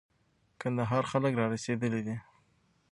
کندهار خلک را رسېدلي دي.